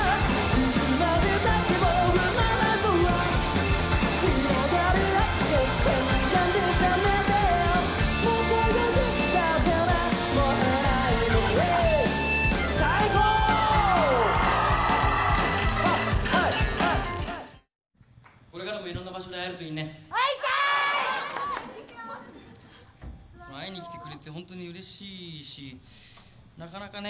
いつも会いに来てくれてほんとにうれしいしなかなかね